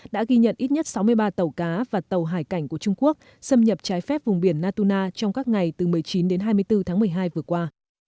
đã ghi nhận ít nhất sáu mươi ba tàu cá và tàu hải cảnh của trung quốc xâm nhập trái phép vùng biển natuna trong các ngày từ một mươi chín đến hai mươi bốn tháng một mươi hai vừa qua